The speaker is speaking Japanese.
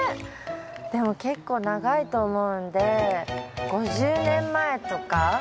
でも結構長いと思うんで５０年前。